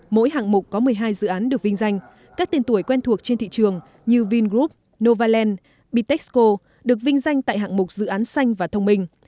mỗi hạng mục có một mươi hai dự án được vinh danh các tên tuổi quen thuộc trên thị trường như vingroup novaland bitexco được vinh danh tại hạng mục dự án xanh và thông minh